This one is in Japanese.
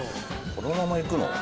このままいくの？